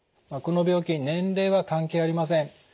この病気年齢は関係ありません。